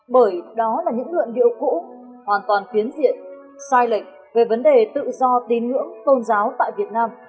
bởi đó là những lượng điệu cũ hoàn toàn tuyến diện sai lệnh về vấn đề tự do tín ngưỡng tôn giáo tại việt nam